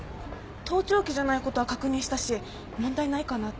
盗聴器じゃないことは確認したし問題ないかなって。